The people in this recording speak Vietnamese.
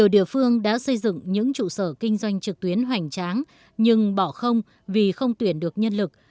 địa phương đã xây dựng những trụ sở kinh doanh trực tuyến hoành tráng nhưng bỏ không vì không tuyển được nhân lực